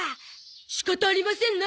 仕方ありませんな。